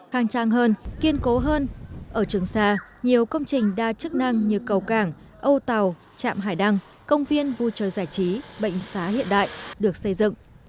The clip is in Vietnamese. khang trang hơn kiên cố hơn ở trường sa nhiều công trình đa chức năng như cầu cảng âu tàu chạm hải đăng công viên vui chơi giải trí bệnh xá hiện đại được xây dựng